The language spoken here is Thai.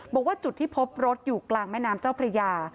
บอกว่าจุดที่พบรถอยู่กลางแม่น้ำเจ้าพระยา